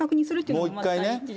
もう一回ね。